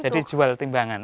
jadi jual timbangan